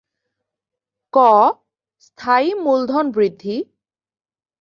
ক. স্থায়ী মূলধন বৃদ্ধি